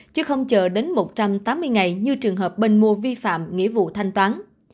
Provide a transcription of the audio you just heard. chứ không chờ đến một trăm tám mươi ngày như trường hợp bên mua vi phạm nghĩa vụ thanh toán